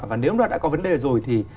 và nếu nó đã có vấn đề rồi thì